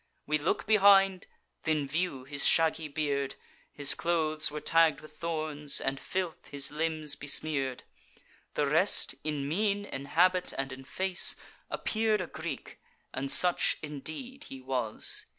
We look behind, then view his shaggy beard; His clothes were tagg'd with thorns, and filth his limbs besmear'd; The rest, in mien, in habit, and in face, Appear'd a Greek, and such indeed he was.